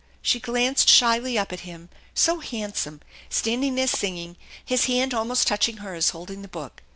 She glanced shyly up at him, so hand some, standing there singing, his hand almost touching hers holding the book.